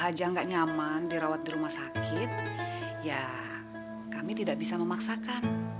bila bu hj gak nyaman dirawat di rumah sakit ya kami tidak bisa memaksakan